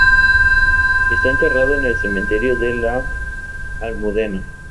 Está enterrado en el cementerio de la Almudena.